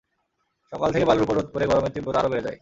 সকাল থেকে বালুর ওপর রোদ পড়ে গরমের তীব্রতা আরও বেড়ে যায়।